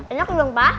enak belum pak